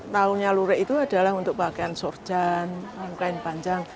tahunya lurik itu adalah untuk pakaian sorjan yang kain panjang